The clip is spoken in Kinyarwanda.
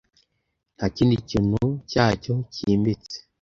ntakindi kintu cyacyo cyimbitse